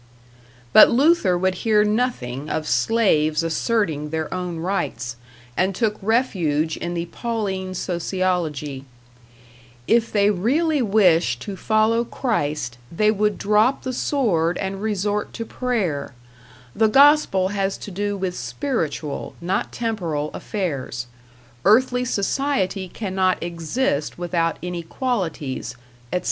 But Luther would hear nothing of slaves asserting their own rights, and took refuge in the Pauline sociology: If they really wished to follow Christ, they would drop the sword and resort to prayer; the gospel has to do with spiritual, not temporal, affairs; earthly society cannot exist without inequalities, etc.